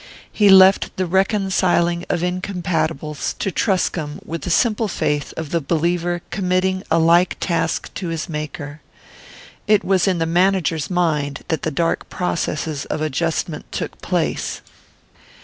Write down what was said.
He left the reconciling of incompatibles to Truscomb with the simple faith of the believer committing a like task to his maker: it was in the manager's mind that the dark processes of adjustment took place.